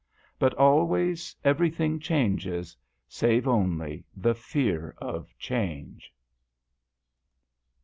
But always everything changes, save only the fear of Change.